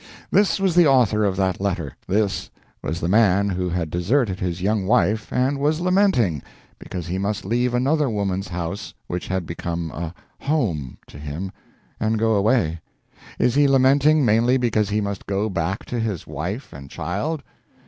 This was the author of that letter, this was the man who had deserted his young wife and was lamenting, because he must leave another woman's house which had become a "home" to him, and go away. Is he lamenting mainly because he must go back to his wife and child?